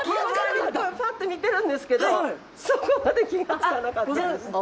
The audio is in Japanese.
パッと見てるんですけどそこまで気がつかなかった。